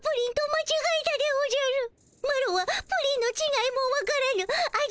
マロはプリンのちがいもわからぬ味